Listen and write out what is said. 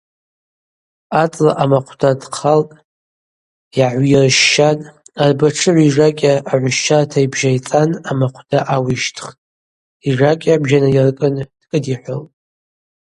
Ацӏла амахъвда дгӏахътӏ, йгӏагӏвйырщщатӏ, арбатшыгӏв йжакӏьа агӏвщщарта йбжьайцӏан амахъвда ауищтхтӏ – йжакӏьа бжьанайыркӏын дкӏыдихӏвалтӏ.